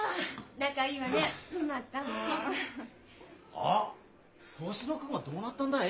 あっ星野君はどうなったんだい？